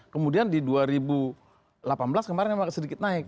kemudian di dua ribu delapan belas kemarin memang sedikit naik